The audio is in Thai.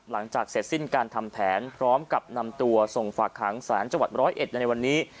หลังจากเสร็จสิ้นการทำแผนพร้อมกับนำตัวส่งฝากหางศาลจังหวัดร้อยเอ็ดในในวันนี้